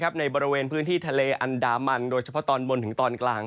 ในบริเวณพื้นที่ทะเลอันดามันโดยเฉพาะตอนบนถึงตอนกลาง